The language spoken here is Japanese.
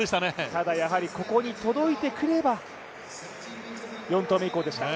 ただやはりここに届いてくれば、４投目以降でした。